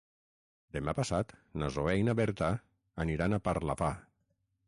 Demà passat na Zoè i na Berta aniran a Parlavà.